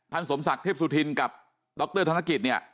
ท่านสมศักดิ์เทพซุธินกับดรธนกิจ